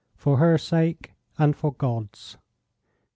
FOR HER SAKE AND FOR GOD'S.